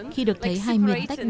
khi được thấy hai miền tách bỏ